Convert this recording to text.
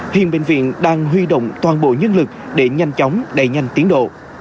hiện bệnh viện đang huy động toàn bộ nhân lực để nhanh chóng đẩy nhanh tiến độ